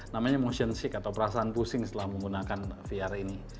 namanya motion shick atau perasaan pusing setelah menggunakan vr ini